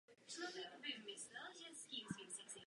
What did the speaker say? Byl poslancem Národní rady za Demokratickou stranu.